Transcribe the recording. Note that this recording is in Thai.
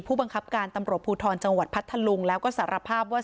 ผู้บังคับการตำรวจภูทรจังหวัดพัทธลุงแล้วก็สารภาพว่า